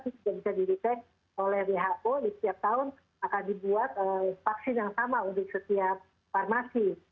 itu juga bisa dideteksi oleh who di setiap tahun akan dibuat vaksin yang sama untuk setiap farmasi